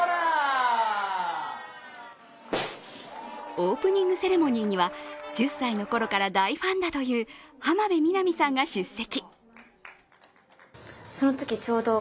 オープニングセレモニーには１０歳のころから大ファンだという浜辺美波さんが出席。